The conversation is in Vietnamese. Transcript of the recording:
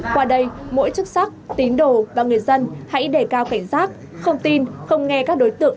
qua đây mỗi chức sắc tín đồ và người dân hãy đề cao cảnh giác không tin không nghe các đối tượng